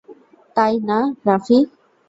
তাই না, রাফি?